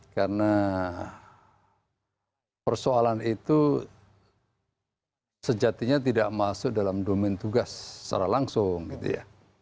karena persoalan itu sejatinya tidak masuk dalam domain tugas secara langsung gitu ya